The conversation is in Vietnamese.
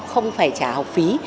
không phải trả học phí